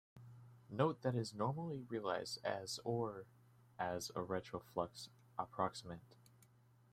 Note that is normally realized as or as a retroflex approximant.